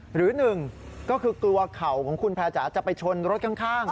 หรือหนึ่งก็คือกลัวเข่าของคุณแพรจ๋าจะไปชนรถข้าง